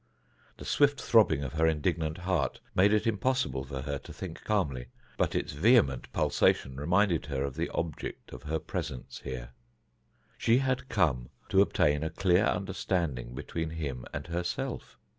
The swift throbbing of her indignant heart made it impossible for her to think calmly, but its vehement pulsation reminded her of the object of her presence here. She had come to obtain a clear understanding between him and herself.